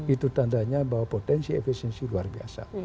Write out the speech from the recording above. itu tandanya bahwa potensi efisiensi luar biasa